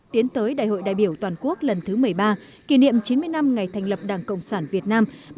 tiến tới đại hội đại biểu toàn quốc lần thứ một mươi ba kỷ niệm chín mươi năm ngày thành lập đảng cộng sản việt nam